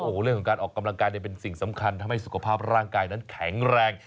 โอ้โหเรื่องของการออกกำลังกายเนี่ยเป็นสิ่งสำคัญทำให้สุขภาพร่างกายนั้นแข็งแรง